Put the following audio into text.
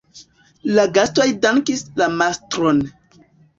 La gastoj dankis la mastron.